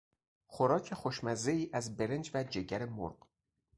خوراک خوشمزهای از برنج و جگر مرغ